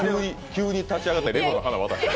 急に立ち上がってレゴの花渡して。